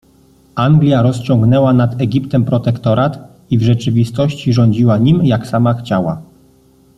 Anglia rociągnęła nad Egiptem protektorat i w rzeczywistości rządziła nim, jak sama chciała.